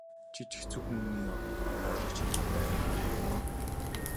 Чи ч хэцүүхэн хүний орлогч хийдэг байх нь ээ?